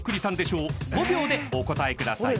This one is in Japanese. ［５秒でお答えください］